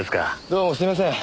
どうもすいません。